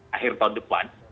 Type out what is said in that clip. akhir tahun depan